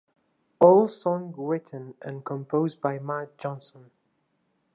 All songs written and composed by Matt Johnson.